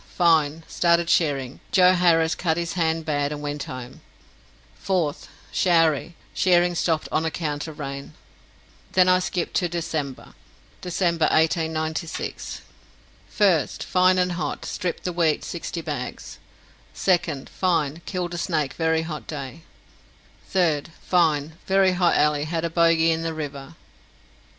Fine. Started shering. Joe Harris cut his hand bad and wint hoam. 4th. Showery. Shering stoped on account of rane." Then I skipped to December: "December 1896 1st. Fine and hot. Stripped the weet 60 bages. 2nd. Fine. Killed a snake very hot day. 3rd. Fine. Very hot alle had a boagy in the river.